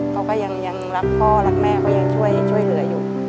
เขาก็ยังรักพ่อรักแม่เขายังช่วยเหลืออยู่